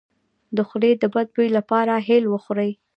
د خولې د بد بوی لپاره هل وخورئ